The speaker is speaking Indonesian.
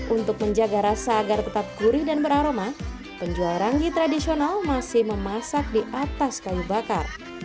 untuk menjaga rasa agar tetap gurih dan beraroma penjual ranggi tradisional masih memasak di atas kayu bakar